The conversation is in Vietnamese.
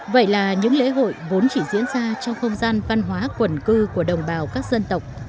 vậy là những lễ hội vốn chỉ diễn ra trong không gian văn hóa quần cư của đồng bào các dân tộc